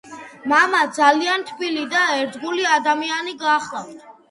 მამა ძალიან თბილი და ერთგული ადამიანი გახლდათ